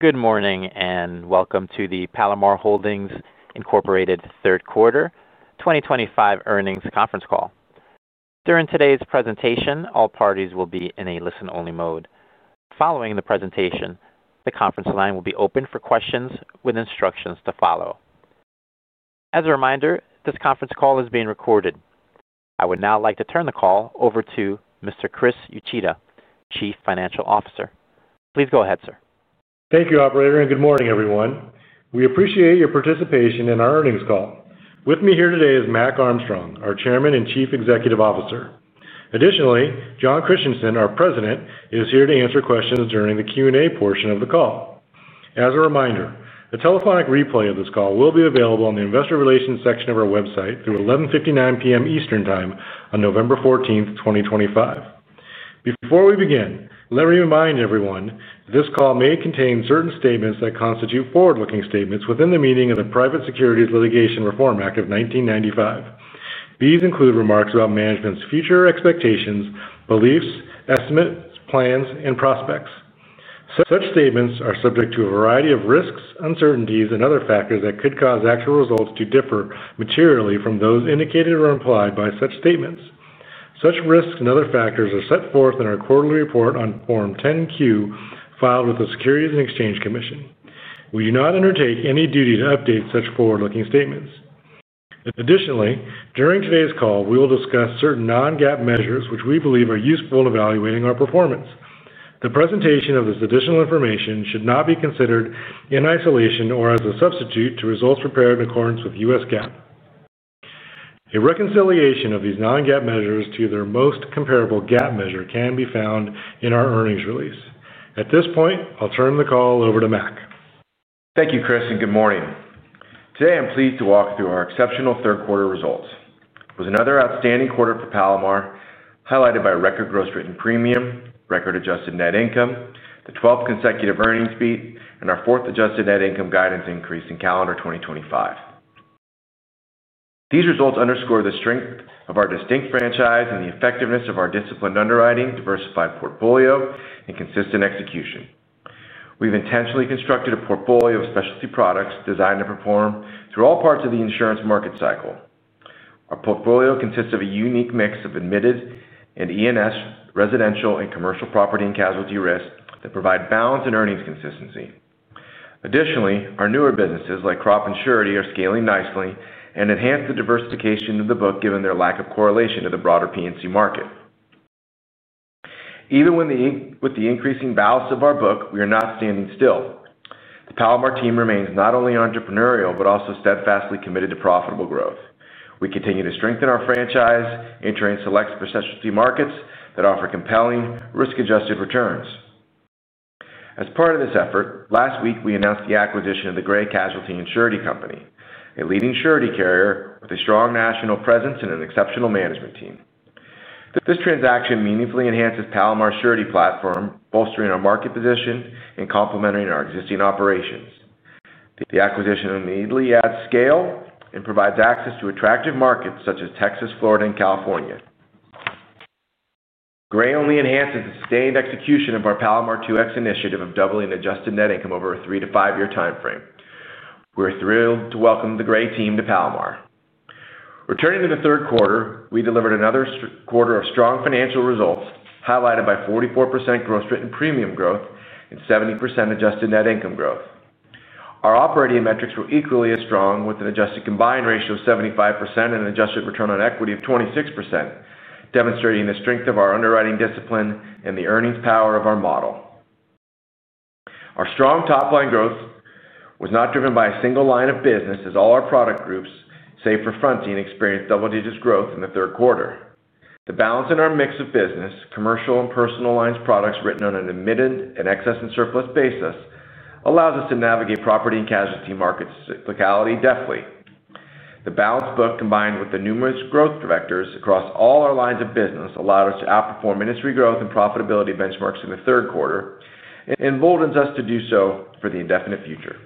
Good morning and welcome to the Palomar Holdings, Inc Third Quarter 2025 Earnings Conference Call. During today's presentation, all parties will be in a listen-only mode. Following the presentation, the conference line will be open for questions with instructions to follow. As a reminder, this conference call is being recorded. I would now like to turn the call over to Mr. Chris Uchida, Chief Financial Officer. Please go ahead, sir. Thank you, Operator, and good morning, everyone. We appreciate your participation in our earnings call. With me here today is Mac Armstrong, our Chairman and Chief Executive Officer. Additionally, Jon Christianson, our President, is here to answer questions during the Q&A portion of the call. As a reminder, the telephonic replay of this call will be available on the investor relations section of our website through 11:59 P.M. Eastern Time on November 14th, 2025. Before we begin, let me remind everyone that this call may contain certain statements that constitute forward-looking statements within the meaning of the Private Securities Litigation Reform Act of 1995. These include remarks about management's future expectations, beliefs, estimates, plans, and prospects. Such statements are subject to a variety of risks, uncertainties, and other factors that could cause actual results to differ materially from those indicated or implied by such statements. Such risks and other factors are set forth in our quarterly report on Form 10-Q filed with the Securities and Exchange Commission. We do not undertake any duty to update such forward-looking statements. Additionally, during today's call, we will discuss certain non-GAAP measures which we believe are useful in evaluating our performance. The presentation of this additional information should not be considered in isolation or as a substitute to results prepared in accordance with U.S. GAAP. A reconciliation of these non-GAAP measures to their most comparable GAAP measure can be found in our earnings release. At this point, I'll turn the call over to Mac. Thank you, Chris, and good morning. Today, I'm pleased to walk through our exceptional third-quarter results. It was another outstanding quarter for Palomar, highlighted by record gross written premium, record adjusted net income, the 12th consecutive earnings beat, and our fourth adjusted net income guidance increase in calendar 2025. These results underscore the strength of our distinct franchise and the effectiveness of our disciplined underwriting, diversified portfolio, and consistent execution. We've intentionally constructed a portfolio of specialty products designed to perform through all parts of the insurance market cycle. Our portfolio consists of a unique mix of admitted and E&S, residential and commercial property and casualty risk that provide balance and earnings consistency. Additionally, our newer businesses like Crop Insurance are scaling nicely and enhance the diversification of the book given their lack of correlation to the broader P&C market. Even with the increasing balance of our book, we are not standing still. The Palomar team remains not only entrepreneurial but also steadfastly committed to profitable growth. We continue to strengthen our franchise, entering select specialty markets that offer compelling, risk-adjusted returns. As part of this effort, last week, we announced the acquisition of the Gray Casualty & Surety Company, a leading surety carrier with a strong national presence and an exceptional management team. This transaction meaningfully enhances Palomar's surety platform, bolstering our market position and complementing our existing operations. The acquisition immediately adds scale and provides access to attractive markets such as Texas, Florida, and California. Gray only enhances the sustained execution of our Palomar 2X initiative of doubling adjusted net income over a three to five-year timeframe. We're thrilled to welcome the Gray team to Palomar. Returning to the third quarter, we delivered another quarter of strong financial results highlighted by 44% gross written premium growth and 70% adjusted net income growth. Our operating metrics were equally as strong with an adjusted combined ratio of 75% and an adjusted return on equity of 26%, demonstrating the strength of our underwriting discipline and the earnings power of our model. Our strong top-line growth was not driven by a single line of business, as all our product groups, save for fronting, experienced double-digit growth in the third quarter. The balance in our mix of business, commercial and personal lines, products written on an admitted and excess and surplus basis, allows us to navigate property and casualty markets' cyclicality deftly. The balanced book, combined with the numerous growth directors across all our lines of business, allowed us to outperform industry growth and profitability benchmarks in the third quarter and emboldens us to do so for the indefinite future.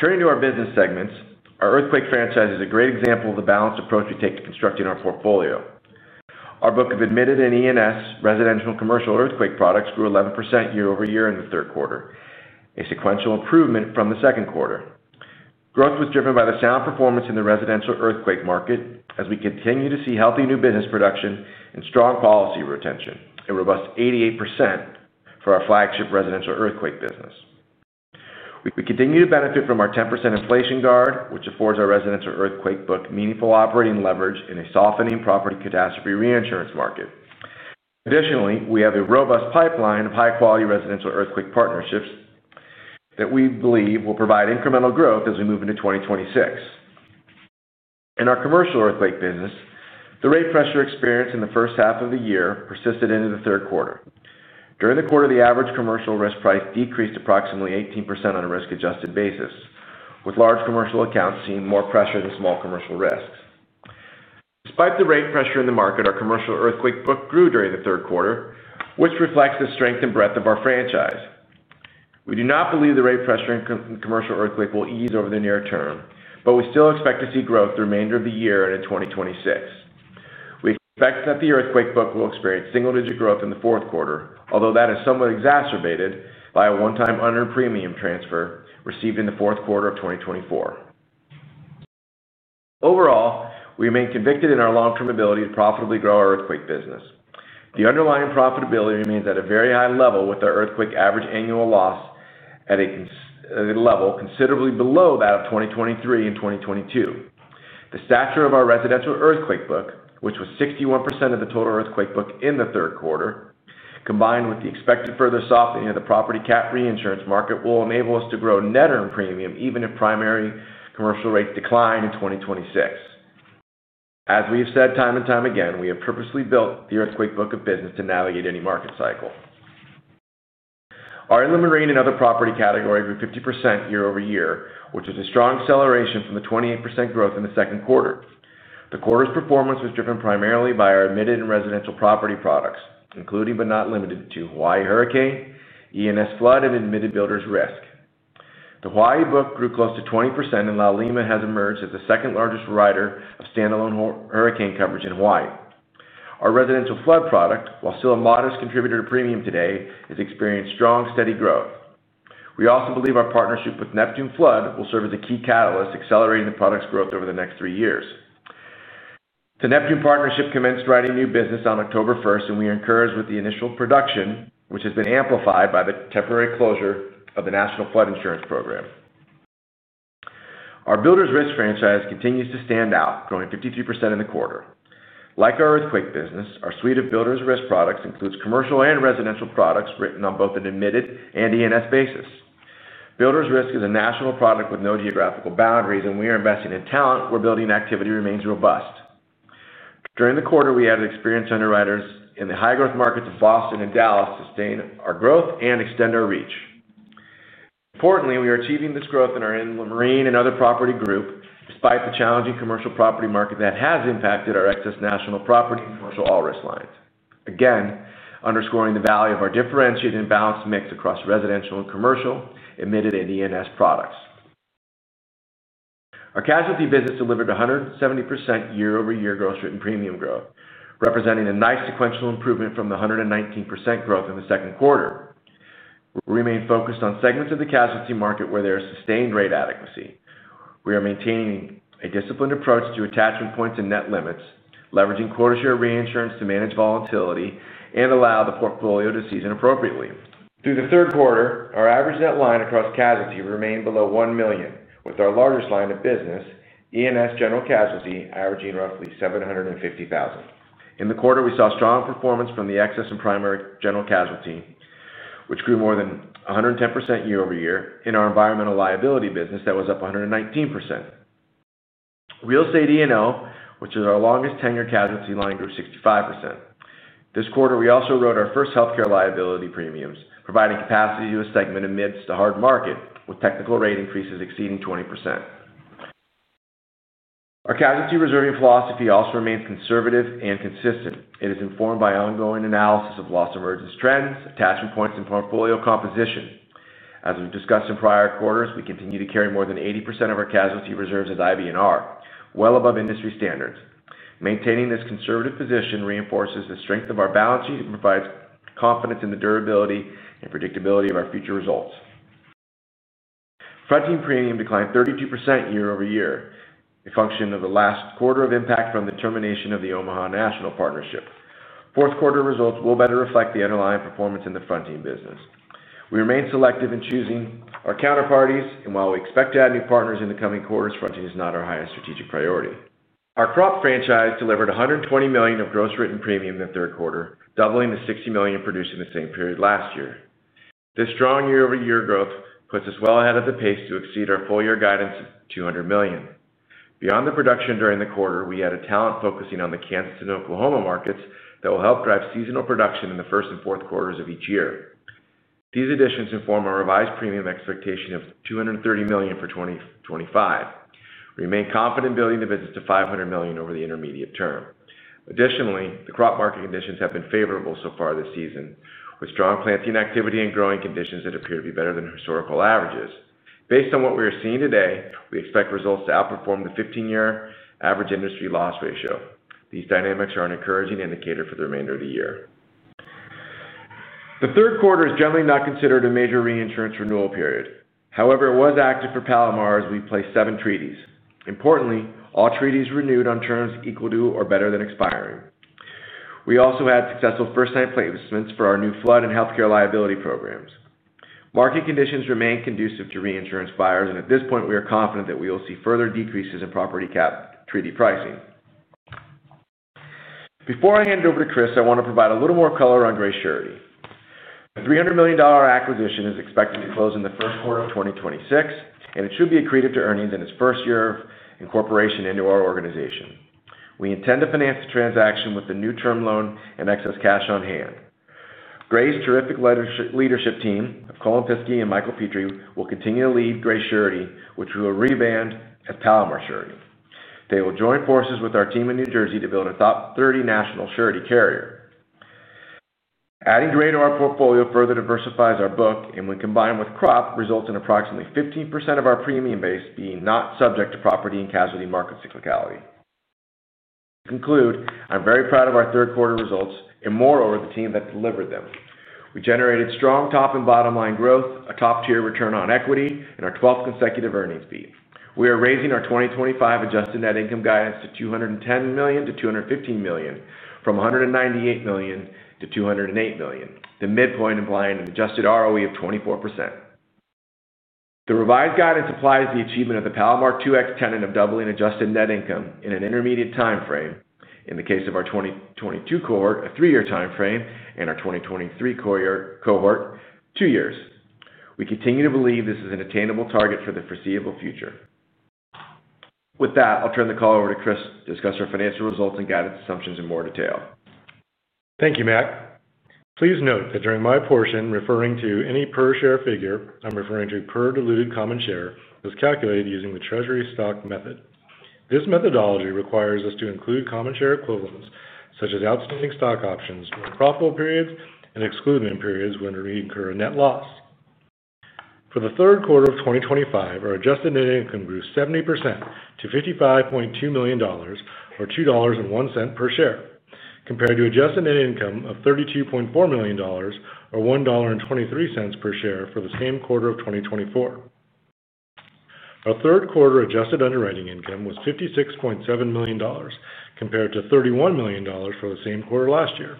Turning to our business segments, our earthquake franchise is a great example of the balanced approach we take to constructing our portfolio. Our book of admitted and E&S, residential and commercial earthquake products grew 11% year over year in the third quarter, a sequential improvement from the second quarter. Growth was driven by the sound performance in the residential earthquake market as we continue to see healthy new business production and strong policy retention, a robust 88% for our flagship residential earthquake business. We continue to benefit from our 10% inflation guard, which affords our residential earthquake book meaningful operating leverage in a softening property catastrophe reinsurance market. Additionally, we have a robust pipeline of high-quality residential earthquake partnerships that we believe will provide incremental growth as we move into 2026. In our commercial earthquake business, the rate pressure experienced in the first half of the year persisted into the third quarter. During the quarter, the average commercial risk price decreased approximately 18% on a risk-adjusted basis, with large commercial accounts seeing more pressure than small commercial risks. Despite the rate pressure in the market, our commercial earthquake book grew during the third quarter, which reflects the strength and breadth of our franchise. We do not believe the rate pressure in commercial earthquake will ease over the near term, but we still expect to see growth the remainder of the year and in 2026. We expect that the earthquake book will experience single-digit growth in the fourth quarter, although that is somewhat exacerbated by a one-time under premium transfer received in the fourth quarter of 2024. Overall, we remain convicted in our long-term ability to profitably grow our earthquake business. The underlying profitability remains at a very high level with our earthquake average annual loss at a level considerably below that of 2023 and 2022. The stature of our residential earthquake book, which was 61% of the total earthquake book in the third quarter, combined with the expected further softening of the property cap reinsurance market, will enable us to grow net earned premium even if primary commercial rates decline in 2026. As we have said time and time again, we have purposely built the earthquake book of business to navigate any market cycle. Our Inland Marine and Other Property grew 50% year over year, which is a strong acceleration from the 28% growth in the second quarter. The quarter's performance was driven primarily by our admitted and residential property products, including but not limited to Hawaii hurricane, E&S Flood, and admitted builders' risk. The Hawaii book grew close to 20%, and La Palma has emerged as the second-largest rider of standalone hurricane coverage in Hawaii. Our residential flood product, while still a modest contributor to premium today, has experienced strong, steady growth. We also believe our partnership with Neptune Flood will serve as a key catalyst, accelerating the product's growth over the next three years. The Neptune partnership commenced writing new business on October 1st, and we are encouraged with the initial production, which has been amplified by the temporary closure of the National Flood Insurance Program. Our builders' risk franchise continues to stand out, growing 53% in the quarter. Like our earthquake business, our suite of builders' risk products includes commercial and residential products written on both an admitted and E&S basis. Builders' risk is a national product with no geographical boundaries, and we are investing in talent where building activity remains robust. During the quarter, we added experienced underwriters in the high-growth markets of Boston and Dallas to sustain our growth and extend our reach. Importantly, we are achieving this growth in our inland marine and other property group despite the challenging commercial property market that has impacted our excess national property and commercial all-risk lines, again underscoring the value of our differentiated and balanced mix across residential and commercial, admitted, and E&S products. Our casualty business delivered 170% year-over-year gross written premium growth, representing a nice sequential improvement from the 119% growth in the second quarter. We remain focused on segments of the casualty market where there is sustained rate adequacy. We are maintaining a disciplined approach to attachment points and net limits, leveraging quarter-share reinsurance to manage volatility and allow the portfolio to season appropriately. Through the third quarter, our average net line across casualty remained below $1 million, with our largest line of business, E&S general casualty, averaging roughly $750,000. In the quarter, we saw strong performance from the excess and primary general casualty, which grew more than 110% year-over-year, and our environmental liability business that was up 119%. Real estate E&O, which is our longest tenured casualty line, grew 65%. This quarter, we also wrote our first healthcare liability premiums, providing capacity to a segment amidst a hard market with technical rate increases exceeding 20%. Our casualty reserving philosophy also remains conservative and consistent. It is informed by ongoing analysis of loss emergence trends, attachment points, and portfolio composition. As we've discussed in prior quarters, we continue to carry more than 80% of our casualty reserves as IBNR, well above industry standards. Maintaining this conservative position reinforces the strength of our balance sheet and provides confidence in the durability and predictability of our future results. Fronting premium declined 32% year-over-year, a function of the last quarter of impact from the termination of the Omaha National partnership. Fourth-quarter results will better reflect the underlying performance in the fronting business. We remain selective in choosing our counterparties, and while we expect to add new partners in the coming quarters, fronting is not our highest strategic priority. Our Crop franchise delivered $120 million of gross written premium in the third quarter, doubling the $60 million produced in the same period last year. This strong year-over-year growth puts us well ahead of the pace to exceed our full-year guidance of $200 million. Beyond the production during the quarter, we added talent focusing on the Kansas and Oklahoma markets that will help drive seasonal production in the first and fourth quarters of each year. These additions inform our revised premium expectation of $230 million for 2025. We remain confident in building the business to $500 million over the intermediate term. Additionally, the Crop market conditions have been favorable so far this season, with strong planting activity and growing conditions that appear to be better than historical averages. Based on what we are seeing today, we expect results to outperform the 15-year average industry loss ratio. These dynamics are an encouraging indicator for the remainder of the year. The third quarter is generally not considered a major reinsurance renewal period. However, it was active for Palomar as we placed seven treaties. Importantly, all treaties renewed on terms equal to or better than expiring. We also had successful first-time placements for our new flood and healthcare liability programs. Market conditions remain conducive to reinsurance buyers, and at this point, we are confident that we will see further decreases in property cap treaty pricing. Before I hand it over to Chris, I want to provide a little more color on Gray Surety. The $300 million acquisition is expected to close in the first quarter of 2026, and it should be accretive to earnings in its first year of incorporation into our organization. We intend to finance the transaction with a new term loan and excess cash on hand. Gray's terrific leadership team of Cullen Piske and Michael Pitre will continue to lead Gray Surety, which we will rebrand as Palomar Surety. They will join forces with our team in New Jersey to build a top 30 national surety carrier. Adding Gray to our portfolio further diversifies our book, and when combined with Crop, results in approximately 15% of our premium base being not subject to property and casualty market cyclicality. To conclude, I'm very proud of our third-quarter results and more over the team that delivered them. We generated strong top and bottom line growth, a top-tier return on equity, and our 12th consecutive earnings beat. We are raising our 2025 adjusted net income guidance to $210 million-$215 million, from $198 million-$208 million, the midpoint implying an adjusted ROE of 24%. The revised guidance applies to the achievement of the Palomar 2X tenet of doubling adjusted net income in an intermediate timeframe. In the case of our 2022 cohort, a three-year timeframe, and our 2023 cohort, two years. We continue to believe this is an attainable target for the foreseeable future. With that, I'll turn the call over to Chris to discuss our financial results and guidance assumptions in more detail. Thank you, Matt. Please note that during my portion referring to any per-share figure, I'm referring to per-diluted common share as calculated using the treasury stock method. This methodology requires us to include common share equivalents such as outstanding stock options during profitable periods and exclude them in periods when we incur a net loss. For the third quarter of 2025, our adjusted net income grew 70% to $55.2 million or $2.01 per share, compared to adjusted net income of $32.4 million or $1.23 per share for the same quarter of 2024. Our third quarter adjusted underwriting income was $56.7 million compared to $31 million for the same quarter last year.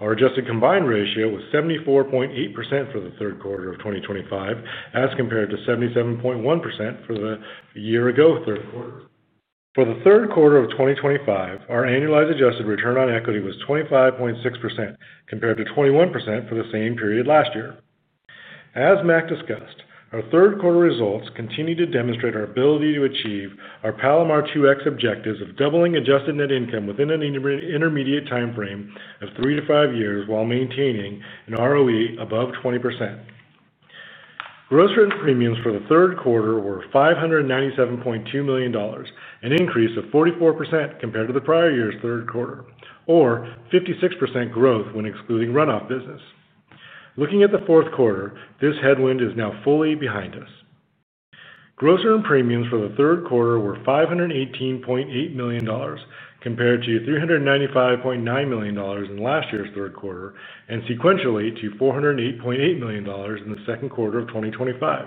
Our adjusted combined ratio was 74.8% for the third quarter of 2025, as compared to 77.1% for the year-ago third quarter. For the third quarter of 2025, our annualized adjusted return on equity was 25.6% compared to 21% for the same period last year. As Matt discussed, our third-quarter results continue to demonstrate our ability to achieve our Palomar 2X objectives of doubling adjusted net income within an intermediate timeframe of three to five years while maintaining an ROE above 20%. Gross written premiums for the third quarter were $597.2 million, an increase of 44% compared to the prior year's third quarter, or 56% growth when excluding runoff business. Looking at the fourth quarter, this headwind is now fully behind us. Gross earned premiums for the third quarter were $518.8 million compared to $395.9 million in last year's third quarter and sequentially to $408.8 million in the second quarter of 2025.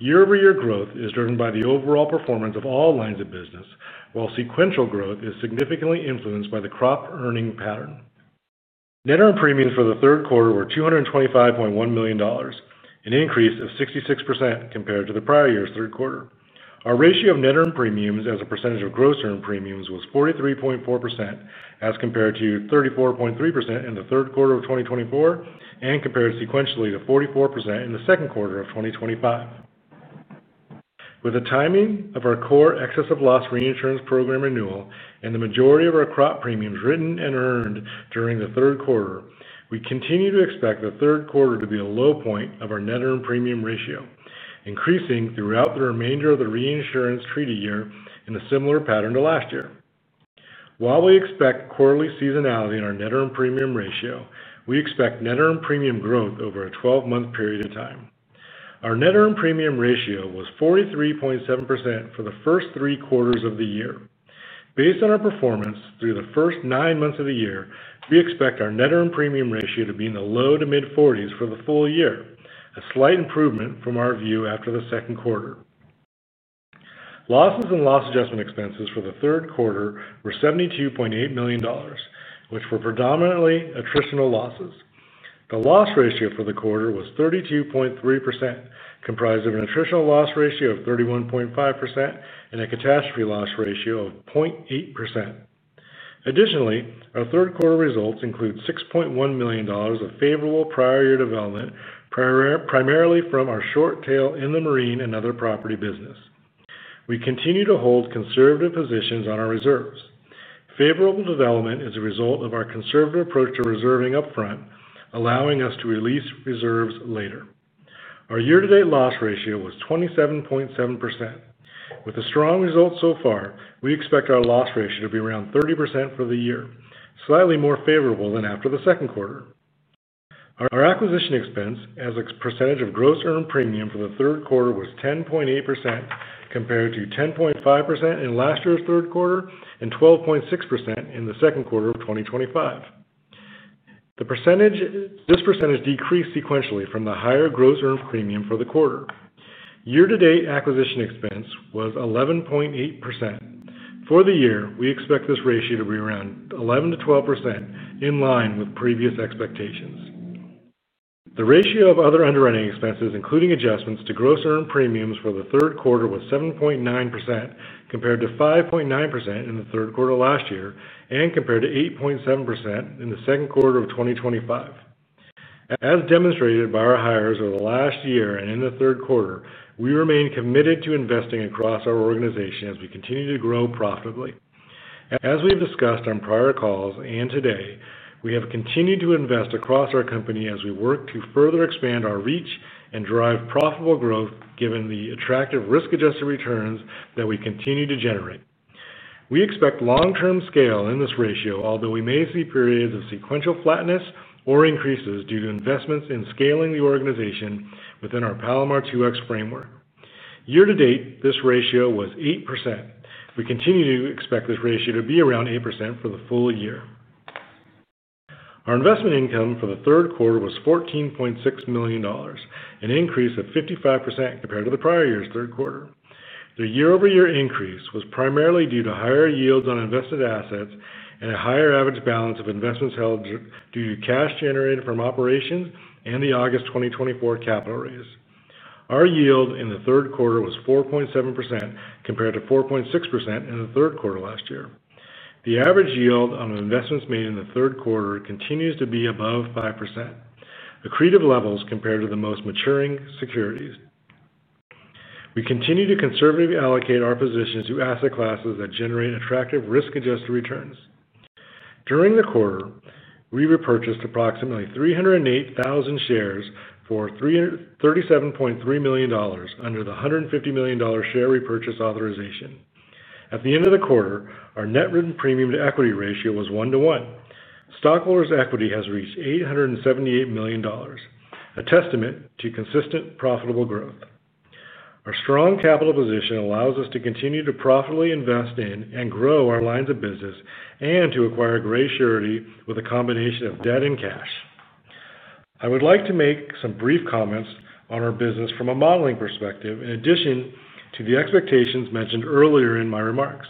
Year-over-year growth is driven by the overall performance of all lines of business, while sequential growth is significantly influenced by the Crop earning pattern. Net earned premiums for the third quarter were $225.1 million, an increase of 66% compared to the prior year's third quarter. Our ratio of net earned premiums as a percentage of gross earned premiums was 43.4%, as compared to 34.3% in the third quarter of 2024 and compared sequentially to 44% in the second quarter of 2025. With the timing of our core excess of loss reinsurance program renewal and the majority of our Crop premiums written and earned during the third quarter, we continue to expect the third quarter to be a low point of our net earned premium ratio, increasing throughout the remainder of the reinsurance treaty year in a similar pattern to last year. While we expect quarterly seasonality in our net earned premium ratio, we expect net earned premium growth over a 12-month period of time. Our net earned premium ratio was 43.7% for the first three quarters of the year. Based on our performance through the first nine months of the year, we expect our net earned premium ratio to be in the low to mid-40% for the full year, a slight improvement from our view after the second quarter. Losses and loss adjustment expenses for the third quarter were $72.8 million, which were predominantly attritional losses. The loss ratio for the quarter was 32.3%, comprised of an attritional loss ratio of 31.5% and a catastrophe loss ratio of 0.8%. Additionally, our third quarter results include $6.1 million of favorable prior-year development, primarily from our short tail in the marine and other property business. We continue to hold conservative positions on our reserves. Favorable development is a result of our conservative approach to reserving upfront, allowing us to release reserves later. Our year-to-date loss ratio was 27.7%. With a strong result so far, we expect our loss ratio to be around 30% for the year, slightly more favorable than after the second quarter. Our acquisition expense as a percentage of gross earned premium for the third quarter was 10.8%, compared to 10.5% in last year's third quarter and 12.6% in the second quarter of 2025. This percentage decreased sequentially from the higher gross earned premium for the quarter. Year-to-date acquisition expense was 11.8%. For the year, we expect this ratio to be around 11%-12%, in line with previous expectations. The ratio of other underwriting expenses, including adjustments to gross earned premiums for the third quarter, was 7.9%, compared to 5.9% in the third quarter last year and compared to 8.7% in the second quarter of 2025. As demonstrated by our hires over the last year and in the third quarter, we remain committed to investing across our organization as we continue to grow profitably. As we have discussed on prior calls and today, we have continued to invest across our company as we work to further expand our reach and drive profitable growth, given the attractive risk-adjusted returns that we continue to generate. We expect long-term scale in this ratio, although we may see periods of sequential flatness or increases due to investments in scaling the organization within our Palomar 2X framework. Year-to-date, this ratio was 8%. We continue to expect this ratio to be around 8% for the full year. Our investment income for the third quarter was $14.6 million, an increase of 55% compared to the prior year's third quarter. The year-over-year increase was primarily due to higher yields on invested assets and a higher average balance of investments held due to cash generated from operations and the August 2024 capital raise. Our yield in the third quarter was 4.7% compared to 4.6% in the third quarter last year. The average yield on investments made in the third quarter continues to be above 5%, accretive levels compared to the most maturing securities. We continue to conservatively allocate our positions to asset classes that generate attractive risk-adjusted returns. During the quarter, we repurchased approximately 308,000 shares for $37.3 million under the $150 million share repurchase authorization. At the end of the quarter, our net written premium-to-equity ratio was 1:1. Stockholders' equity has reached $878 million, a testament to consistent profitable growth. Our strong capital position allows us to continue to profitably invest in and grow our lines of business and to acquire Gray Surety with a combination of debt and cash. I would like to make some brief comments on our business from a modeling perspective, in addition to the expectations mentioned earlier in my remarks.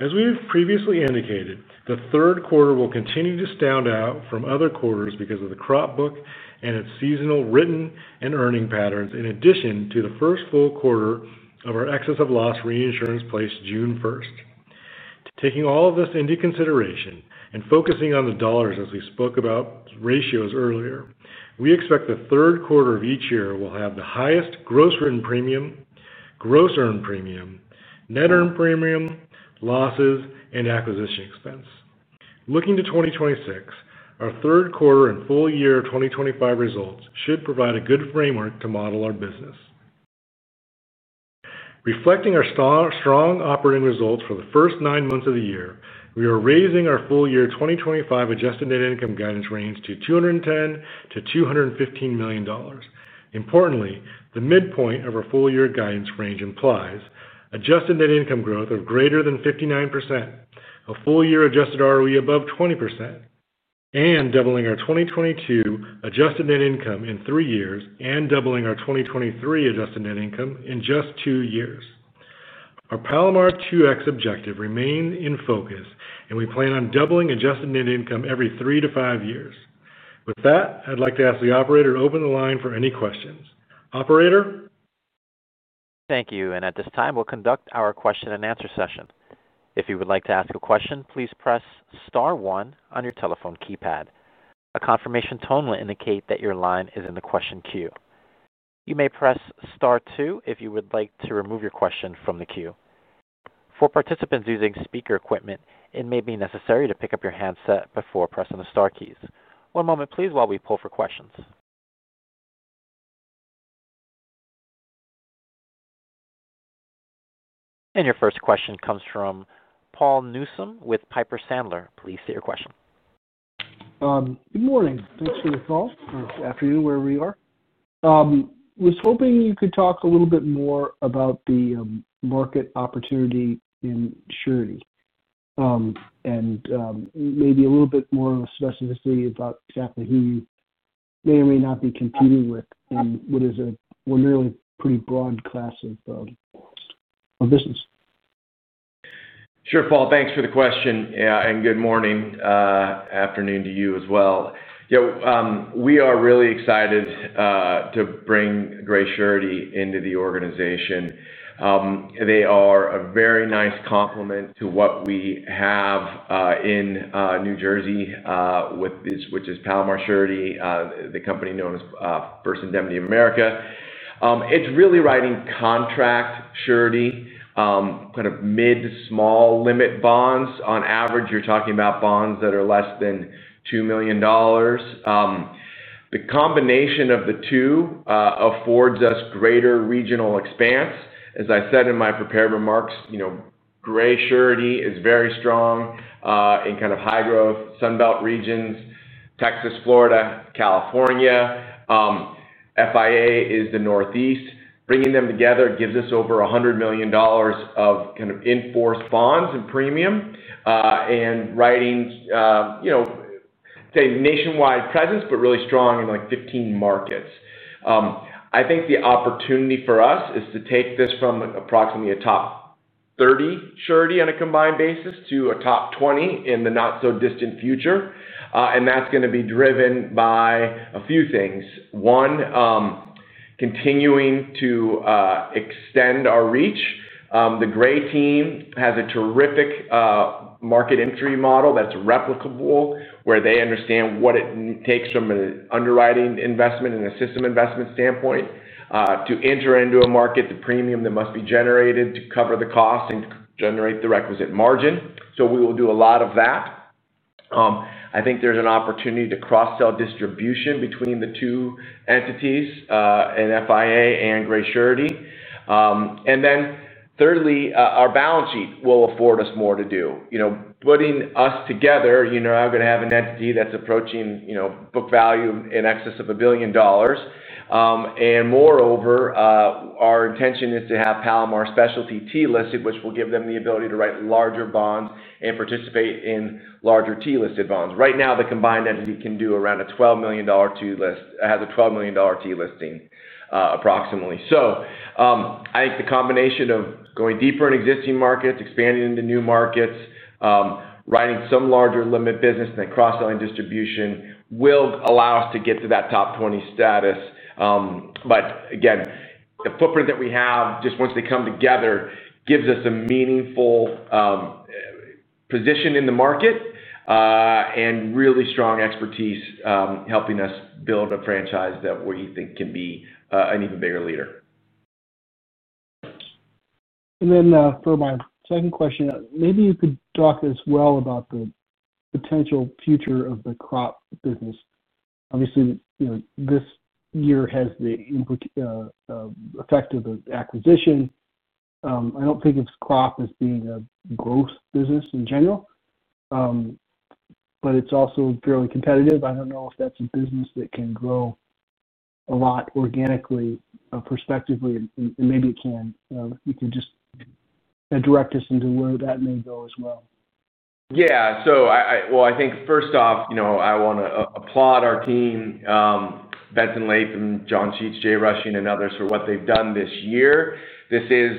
As we've previously indicated, the third quarter will continue to stand out from other quarters because of the Crop book and its seasonal written and earning patterns, in addition to the first full quarter of our excess of loss reinsurance placed June 1. Taking all of this into consideration and focusing on the dollars as we spoke about ratios earlier, we expect the third quarter of each year will have the highest gross written premium, gross earned premium, net earned premium, losses, and acquisition expense. Looking to 2026, our third quarter and full year 2025 results should provide a good framework to model our business. Reflecting our strong operating results for the first nine months of the year, we are raising our full year 2025 adjusted net income guidance range to $210 million-$215 million. Importantly, the midpoint of our full year guidance range implies adjusted net income growth of greater than 59%, a full year adjusted ROE above 20%, and doubling our 2022 adjusted net income in three years and doubling our 2023 adjusted net income in just two years. Our Palomar 2X objective remains in focus, and we plan on doubling adjusted net income every three to five years. With that, I'd like to ask the operator to open the line for any questions. Operator? Thank you. At this time, we'll conduct our question-and-answer session. If you would like to ask a question, please press Star 1 on your telephone keypad. A confirmation tone will indicate that your line is in the question queue. You may press Star 2 if you would like to remove your question from the queue. For participants using speaker equipment, it may be necessary to pick up your handset before pressing the Star keys. One moment, please, while we pull for questions. Your first question comes from Paul Newsome with Piper Sandler. Please state your question. Good morning. Thanks for the call. Good afternoon. Where are we? Was hoping you could talk a little bit more about the market opportunity in surety and maybe a little bit more specificity about exactly who you may or may not be competing with and what is a really pretty broad class of business. Sure, Paul. Thanks for the question. Good morning, afternoon to you as well. We are really excited to bring Gray Surety into the organization. They are a very nice complement to what we have in New Jersey, which is Palomar Surety, the company known as First Indemnity of America. It's really writing contract surety, kind of mid-small limit bonds. On average, you're talking about bonds that are less than $2 million. The combination of the two affords us greater regional expanse. As I said in my prepared remarks, Gray Surety is very strong in kind of high-growth Sunbelt regions, Texas, Florida, California. FIA is the Northeast. Bringing them together gives us over $100 million of kind of enforced bonds and premium and writing, say, nationwide presence, but really strong in like 15 markets. I think the opportunity for us is to take this from approximately a top 30 surety on a combined basis to a top 20 in the not-so-distant future. That's going to be driven by a few things. One, continuing to extend our reach. The Gray team has a terrific market entry model that's replicable, where they understand what it takes from an underwriting investment and a system investment standpoint to enter into a market, the premium that must be generated to cover the cost and generate the requisite margin. We will do a lot of that. I think there's an opportunity to cross-sell distribution between the two entities, FIA and Gray Surety. Thirdly, our balance sheet will afford us more to do. Putting us together, I'm going to have an entity that's approaching book value in excess of $1 billion. Moreover, our intention is to have Palomar Specialty T-listed, which will give them the ability to write larger bonds and participate in larger T-listed bonds. Right now, the combined entity can do around a $12 million T-listing, approximately. I think the combination of going deeper in existing markets, expanding into new markets, writing some larger limit business, and then cross-selling distribution will allow us to get to that top 20 status. Again, the footprint that we have, just once they come together, gives us a meaningful position in the market and really strong expertise helping us build a franchise that we think can be an even bigger leader. For my second question, maybe you could talk as well about the potential future of the Crop business. Obviously, this year has the effect of the acquisition. I do not think of Crop as being a growth business in general, but it is also fairly competitive. I do not know if that is a business that can grow a lot organically, prospectively, and maybe it can. You could just direct us into where that may go as well. Yeah. I think first off, I want to applaud our team, Benson Latham, John Sheets, Jay Rushing, and others for what they have done this year. This is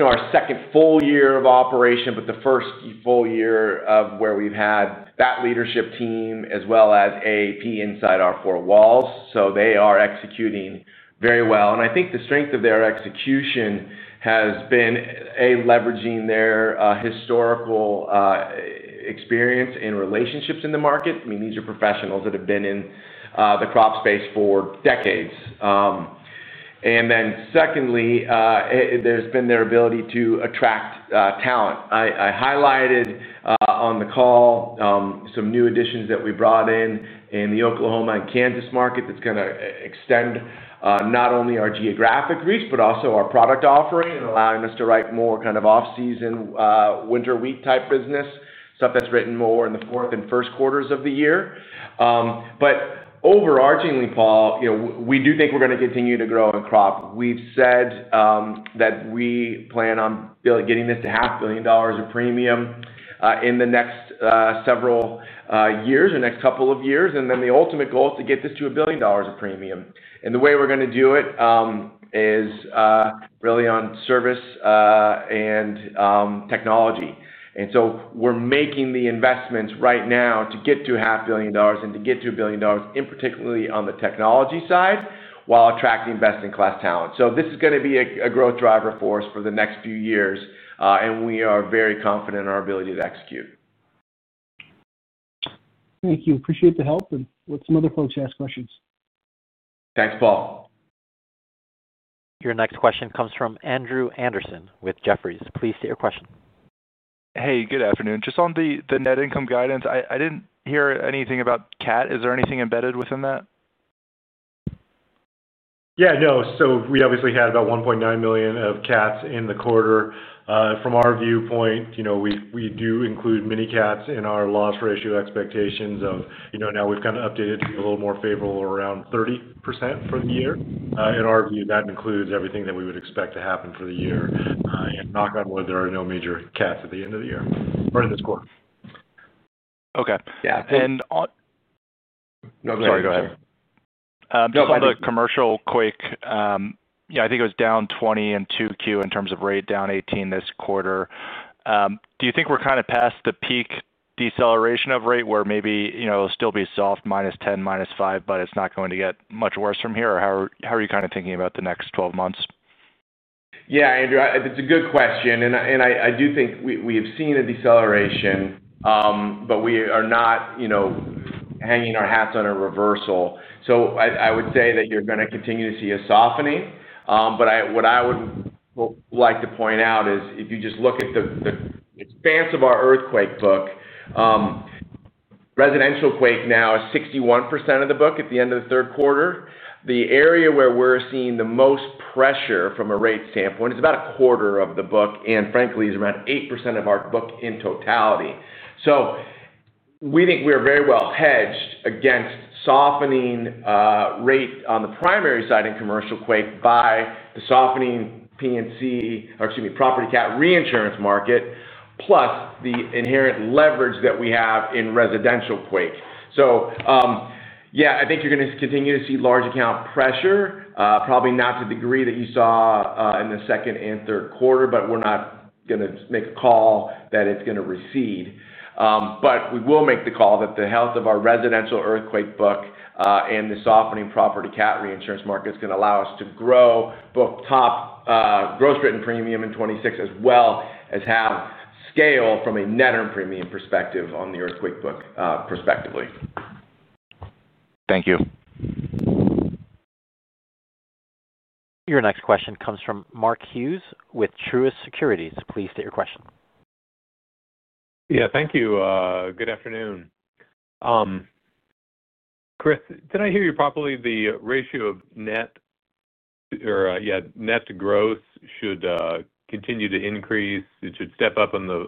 our second full year of operation, but the first full year where we have had that leadership team as well as AAP inside our four walls. They are executing very well. I think the strength of their execution has been, A, leveraging their historical experience and relationships in the market. I mean, these are professionals that have been in the Crop space for decades. Secondly, there's been their ability to attract talent. I highlighted on the call some new additions that we brought in in the Oklahoma and Kansas market that's going to extend not only our geographic reach, but also our product offering and allowing us to write more kind of off-season winter wheat-type business, stuff that's written more in the fourth and first quarters of the year. Overarchingly, Paul, we do think we're going to continue to grow in Crop. We've said that we plan on getting this to $500 million of premium in the next several years or next couple of years. The ultimate goal is to get this to $1 billion of premium. The way we're going to do it is really on service and technology. We're making the investments right now to get to $500 million and to get to $1 billion, particularly on the technology side, while attracting best-in-class talent. This is going to be a growth driver for us for the next few years. We are very confident in our ability to execute. Thank you. Appreciate the help and let some other folks ask questions. Thanks, Paul. Your next question comes from Andrew Anderson with Jefferies. Please state your question. Hey, good afternoon. Just on the net income guidance, I did not hear anything about cat. Is there anything embedded within that? Yeah. No. We obviously had about $1.9 million of cats in the quarter. From our viewpoint, we do include many cats in our loss ratio expectations of now we have kind of updated to be a little more favorable around 30% for the year. In our view, that includes everything that we would expect to happen for the year. Knock on wood, there are no major cats at the end of the year or in this quarter. Okay. Yeah. I'm sorry. Go ahead. No, by Commercial Earthquake, I think it was down 20% in 2Q in terms of rate, down 18% this quarter. Do you think we're kind of past the peak deceleration of rate where maybe it'll still be soft minus 10%, minus 5%, but it's not going to get much worse from here? How are you kind of thinking about the next 12 months? Yeah, Andrew. It's a good question. I do think we have seen a deceleration, but we are not hanging our hats on a reversal. I would say that you're going to continue to see a softening. What I would like to point out is if you just look at the expanse of our earthquake book, Residential Earthquake now is 61% of the book at the end of the third quarter. The area where we're seeing the most pressure from a rate standpoint is about a quarter of the book. Frankly, it's around 8% of our book in totality. We think we are very well hedged against softening rate on the primary side in Commercial Earthquake by the softening P&C, or excuse me, property cat reinsurance market, plus the inherent leverage that we have in Residential Earthquake. Yeah, I think you're going to continue to see large account pressure, probably not to the degree that you saw in the second and third quarter, but we're not going to make a call that it's going to recede. We will make the call that the health of our residential earthquake book and the softening property cat reinsurance market is going to allow us to grow book top gross written premium in 2026 as well as have scale from a net earned premium perspective on the earthquake book prospectively. Thank you. Your next question comes from Mark Hughes with Truist Securities. Please state your question. Yeah. Thank you. Good afternoon. Chris, did I hear you properly? The ratio of net or, yeah, net growth should continue to increase. It should step up in the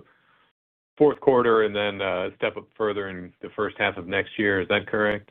fourth quarter and then step up further in the first half of next year. Is that correct?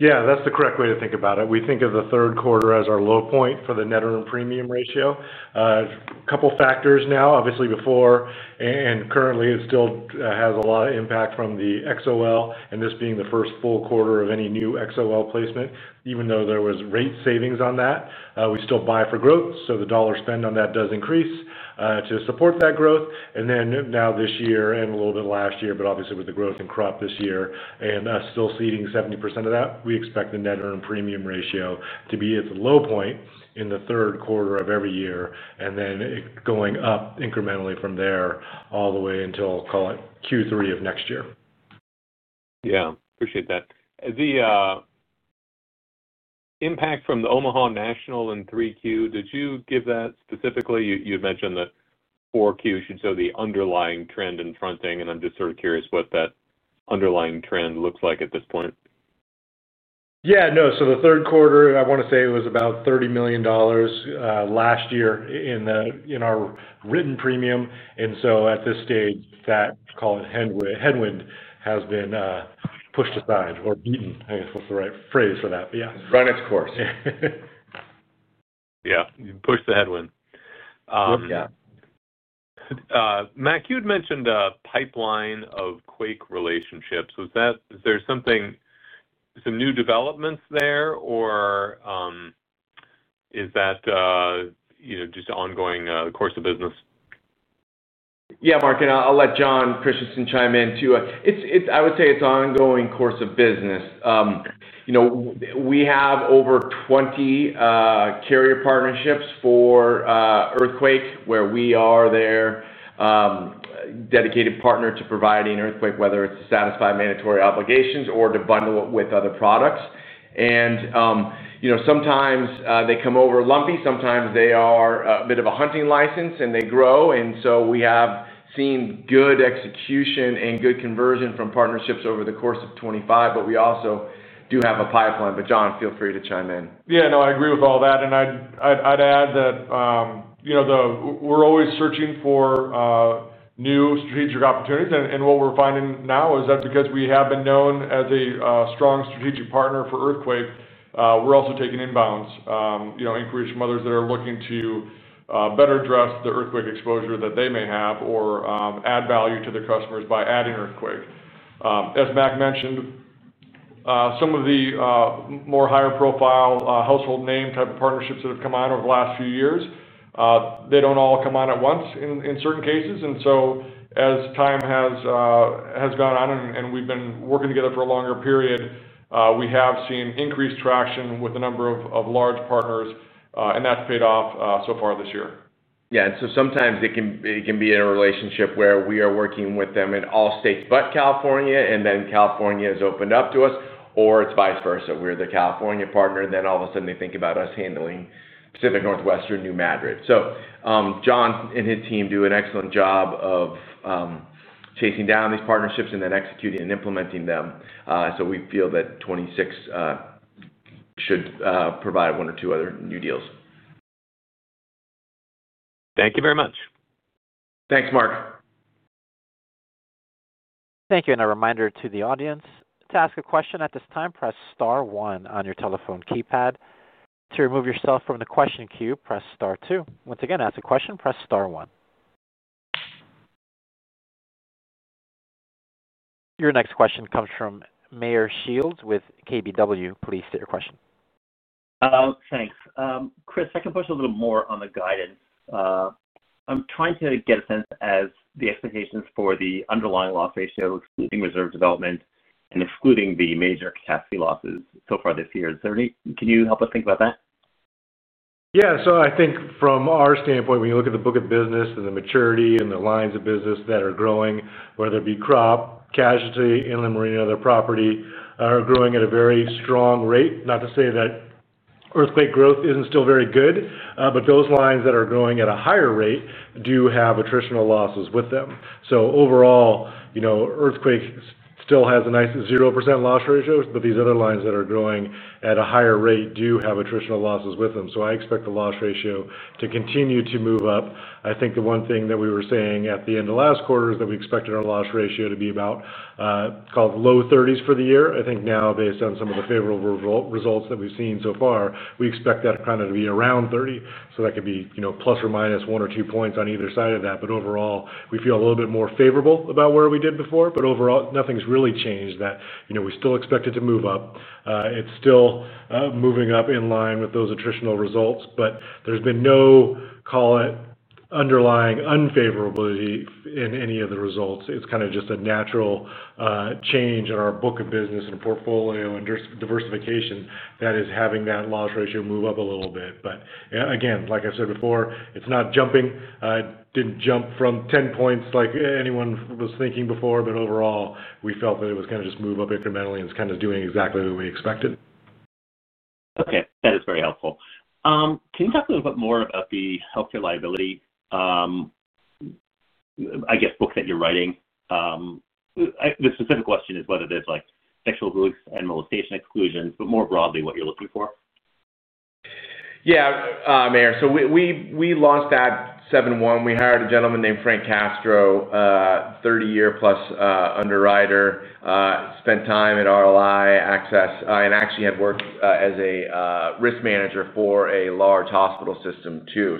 Yeah. That's the correct way to think about it. We think of the third quarter as our low point for the net earned premium ratio. A couple of factors now. Obviously, before and currently, it still has a lot of impact from the XOL and this being the first full quarter of any new XOL placement. Even though there was rate savings on that, we still buy for growth. So the dollar spend on that does increase to support that growth. Now this year and a little bit last year, but obviously with the growth in Crop this year and still ceding 70% of that, we expect the net earned premium ratio to be at the low point in the third quarter of every year and then going up incrementally from there all the way until, call it, Q3 of next year. Yeah. Appreciate that. The impact from the Omaha National and 3Q, did you give that specifically? You had mentioned that 4Q should show the underlying trend in fronting. I'm just sort of curious what that underlying trend looks like at this point. Yeah. No. The third quarter, I want to say it was about $30 million last year in our written premium. At this stage, that, call it, headwind has been pushed aside or beaten, I guess, what's the right phrase for that? Yeah. Run its course. Yeah. Pushed the headwind. Matt, you had mentioned a pipeline of earthquake relationships. Is there some new developments there, or is that just ongoing course of business? Yeah, Mark. I'll let Jon Christensen chime in too. I would say it's ongoing course of business. We have over 20 carrier partnerships for earthquake where we are their dedicated partner to providing earthquake, whether it's to satisfy mandatory obligations or to bundle it with other products. Sometimes they come over lumpy. Sometimes they are a bit of a hunting license, and they grow. We have seen good execution and good conversion from partnerships over the course of 2025, but we also do have a pipeline. Jon, feel free to chime in. Yeah. No, I agree with all that. I'd add that we're always searching for new strategic opportunities. What we're finding now is that because we have been known as a strong strategic partner for earthquake, we're also taking inbounds, increasing others that are looking to better address the earthquake exposure that they may have or add value to their customers by adding earthquake. As Mac mentioned, some of the more higher profile household name type of partnerships that have come on over the last few years, they do not all come on at once in certain cases. As time has gone on and we've been working together for a longer period, we have seen increased traction with a number of large partners, and that's paid off so far this year. Sometimes it can be in a relationship where we are working with them in all states but California, and then California has opened up to us, or it's vice versa. We're the California partner, and then all of a sudden they think about us handling Pacific Northwestern, New Madrid. Jon and his team do an excellent job of chasing down these partnerships and then executing and implementing them. We feel that 2026 should provide one or two other new deals. Thank you very much. Thanks, Mark. Thank you. A reminder to the audience to ask a question at this time, press star one on your telephone keypad. To remove yourself from the question queue, press star two. Once again, ask a question, press star one. Your next question comes from Meyer Shields with KBW. Please state your question. Thanks. Chris, I can push a little more on the guidance. I'm trying to get a sense as the expectations for the underlying loss ratio, excluding reserve development and excluding the major catastrophe losses so far this year. Can you help us think about that? Yeah. So I think from our standpoint, when you look at the book of business and the maturity and the lines of business that are growing, whether it be Crop, Casualty, Inland Marine, or Other Property, are growing at a very strong rate. Not to say that earthquake growth isn't still very good, but those lines that are growing at a higher rate do have attritional losses with them. Overall, earthquake still has a nice 0% loss ratio, but these other lines that are growing at a higher rate do have attritional losses with them. I expect the loss ratio to continue to move up. I think the one thing that we were saying at the end of last quarter is that we expected our loss ratio to be about, called, low 30s for the year. I think now, based on some of the favorable results that we've seen so far, we expect that kind of to be around 30. That could be plus or minus one or two points on either side of that. Overall, we feel a little bit more favorable about where we did before. Overall, nothing's really changed that we still expect it to move up. It's still moving up in line with those attritional results, but there's been no, call it, underlying unfavorability in any of the results. It's kind of just a natural change in our book of business and portfolio and diversification that is having that loss ratio move up a little bit. Again, like I said before, it's not jumping. It didn't jump from 10 points like anyone was thinking before. Overall, we felt that it was going to just move up incrementally and is kind of doing exactly what we expected. Okay. That is very helpful. Can you talk a little bit more about the healthcare liability, I guess, book that you're writing? The specific question is whether there's sexual abuse and molestation exclusions, but more broadly, what you're looking for? Yeah, Mayor. So we launched that '71. We hired a gentleman named Frank Castro, 30-year plus underwriter, spent time at ROI Access, and actually had worked as a risk manager for a large hospital system too.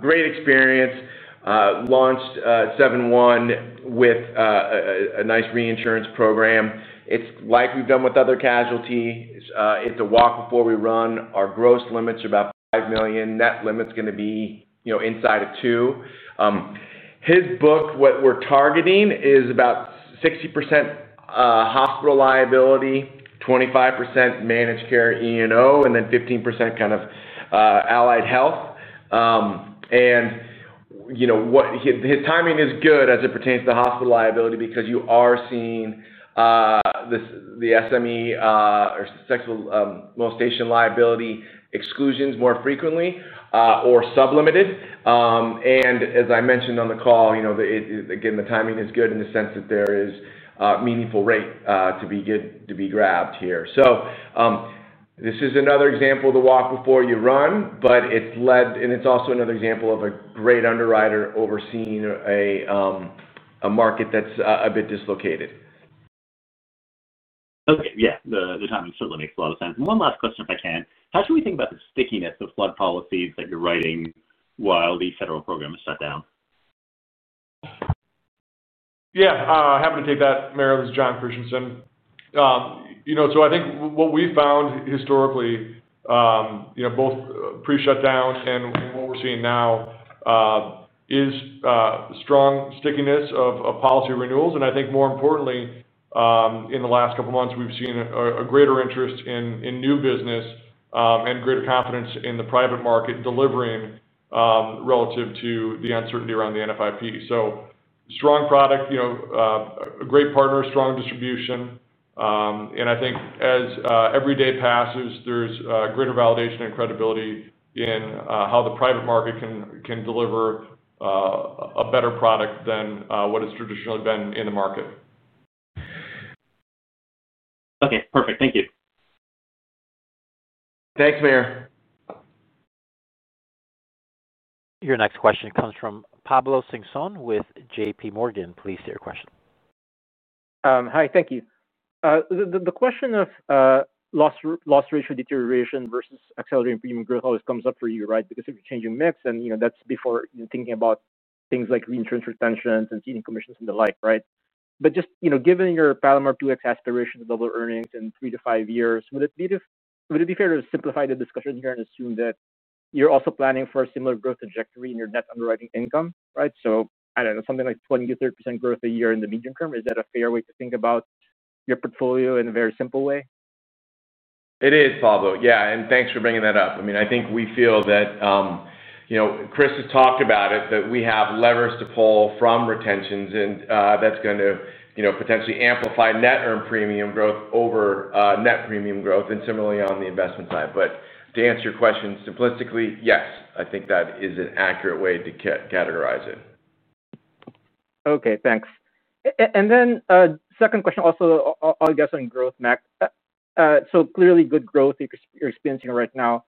Great experience. Launched '71 with a nice reinsurance program. It's like we've done with other casualty. It's a walk before we run. Our gross limits are about $5 million. Net limit's going to be inside of $2 million. His book, what we're targeting is about 60% hospital liability, 25% managed care E&O, and then 15% kind of allied health. His timing is good as it pertains to hospital liability because you are seeing the SME or sexual molestation liability exclusions more frequently or sublimited. As I mentioned on the call, again, the timing is good in the sense that there is meaningful rate to be grabbed here. This is another example of the walk before you run, but it is led, and it is also another example of a great underwriter overseeing a market that is a bit dislocated. Okay. Yeah. The timing certainly makes a lot of sense. One last question, if I can. How should we think about the stickiness of flood policies that you are writing while the federal program is shut down? Yeah. Happy to take that, Mayor. This is Jon Christensen. I think what we found historically, both pre-shutdown and what we are seeing now, is strong stickiness of policy renewals. I think more importantly, in the last couple of months, we have seen a greater interest in new business and greater confidence in the private market delivering relative to the uncertainty around the NFIP. Strong product, a great partner, strong distribution. I think as every day passes, there's greater validation and credibility in how the private market can deliver a better product than what has traditionally been in the market. Okay. Perfect. Thank you. Thanks, Meyer. Your next question comes from Pablo Singzon with J.P. Morgan. Please state your question. Hi. Thank you. The question of loss ratio deterioration versus accelerating premium growth always comes up for you, right? Because if you're changing mix, and that's before thinking about things like reinsurance retention and ceding commissions and the like, right? Just given your Palomar 2X aspiration to double earnings in three to five years, would it be fair to simplify the discussion here and assume that you're also planning for a similar growth trajectory in your net underwriting income, right? I don't know, something like 20%-30% growth a year in the medium term. Is that a fair way to think about your portfolio in a very simple way? It is, Pablo. Yeah. And thanks for bringing that up. I mean, I think we feel that Chris has talked about it, that we have levers to pull from retentions, and that's going to potentially amplify net earned premium growth over net premium growth, and similarly on the investment side. To answer your question simplistically, yes, I think that is an accurate way to categorize it. Okay. Thanks. And then second question also, I'll guess on growth, Mac. Clearly good growth you're experiencing right now.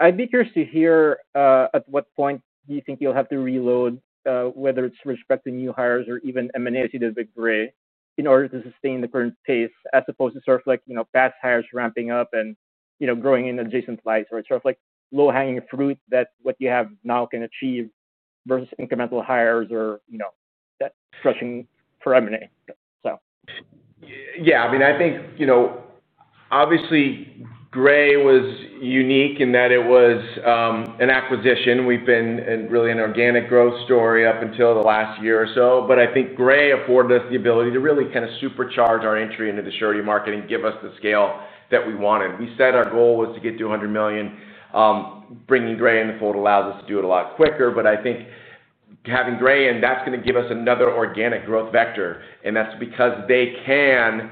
I'd be curious to hear at what point do you think you'll have to reload, whether it's with respect to new hires or even M&As you did with Gray, in order to sustain the current pace as opposed to sort of like past hires ramping up and growing in adjacent lines or sort of like low-hanging fruit that what you have now can achieve versus incremental hires or crushing for M&A. Yeah. I mean, I think obviously Gray was unique in that it was an acquisition. We've been really an organic growth story up until the last year or so. I think Gray afforded us the ability to really kind of supercharge our entry into the surety market and give us the scale that we wanted. We said our goal was to get to $100 million. Bringing Gray in the fold allows us to do it a lot quicker. I think having Gray in, that's going to give us another organic growth vector. That's because they can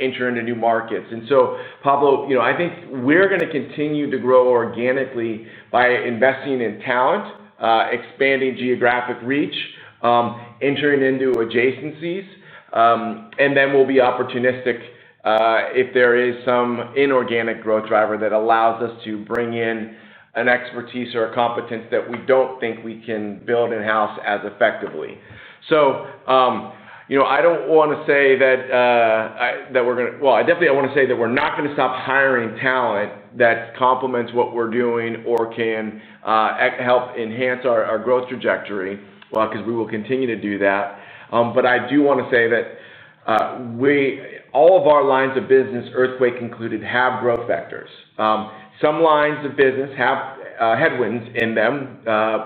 enter into new markets. Pablo, I think we're going to continue to grow organically by investing in talent, expanding geographic reach, entering into adjacencies. We'll be opportunistic if there is some inorganic growth driver that allows us to bring in an expertise or a competence that we don't think we can build in-house as effectively. I don't want to say that we're going to, I definitely want to say that we're not going to stop hiring talent that complements what we're doing or can help enhance our growth trajectory, because we will continue to do that. I do want to say that all of our lines of business, earthquake included, have growth vectors. Some lines of business have headwinds in them,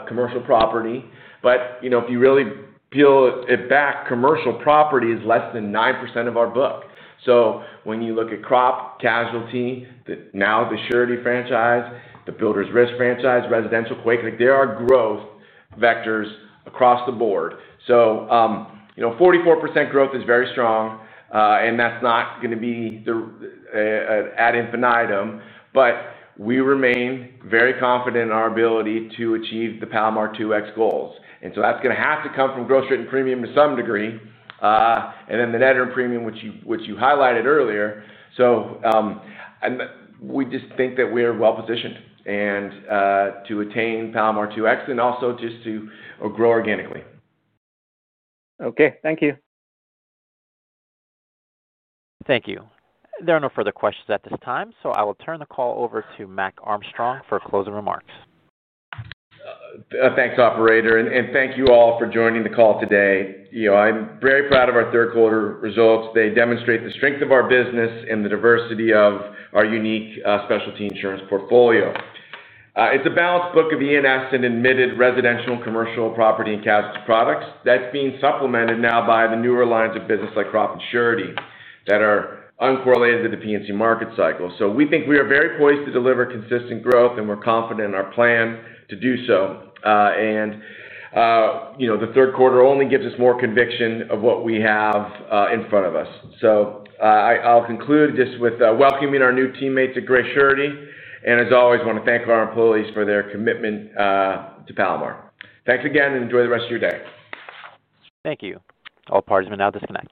commercial property. If you really peel it back, commercial property is less than 9% of our book. When you look at Crop, Casualty, now the surety franchise, the Builders' Risk franchise, Residential Earthquake, there are growth vectors across the board. 44% growth is very strong, and that's not going to be an ad infinitum. We remain very confident in our ability to achieve the Palomar 2X goals. That is going to have to come from gross rate and premium to some degree, and then the net earned premium, which you highlighted earlier. We just think that we are well positioned to attain Palomar 2X and also just to grow organically. Okay. Thank you. Thank you. There are no further questions at this time. I will turn the call over to Mac Armstrong for closing remarks. Thanks, operator. Thank you all for joining the call today. I'm very proud of our third quarter results. They demonstrate the strength of our business and the diversity of our unique specialty insurance portfolio. It's a balanced book of E&S and admitted residential and commercial property and casualty products that's being supplemented now by the newer lines of business like Crop and Surety that are uncorrelated to the P&C market cycle. We think we are very poised to deliver consistent growth, and we're confident in our plan to do so. The third quarter only gives us more conviction of what we have in front of us. I'll conclude just with welcoming our new teammates at Gray Surety. As always, I want to thank our employees for their commitment to Palomar. Thanks again, and enjoy the rest of your day. Thank you. All parties are now disconnected.